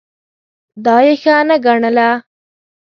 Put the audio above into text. دا یې ښه نه ګڼله.